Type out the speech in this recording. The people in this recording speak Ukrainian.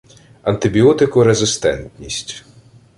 антибіотикорезистентність